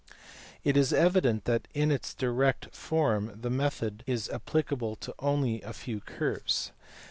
It is evident that in its direct form the method is appli cable to only a few curves.